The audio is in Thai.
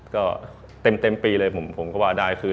ก็เต็มปีเลยผมก็ว่าได้คือ